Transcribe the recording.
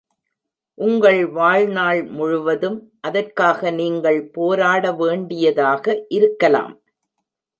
உங்கள் வாழ்நாள் முழுவதும் அதற்காக நீங்கள் போராட வேண்டியதாக இருக்கலாம்.